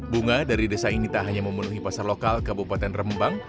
bunga dari desa ini tak hanya memenuhi pasar lokal kabupaten rembang